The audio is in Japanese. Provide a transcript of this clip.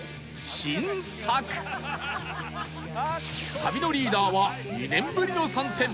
旅のリーダーは２年ぶりの参戦